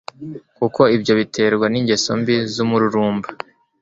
kuko ibyo biterwa ningeso mbi zumururumba